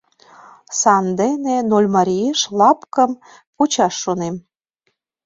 Сандене Нольмариеш лапкым почаш шонем.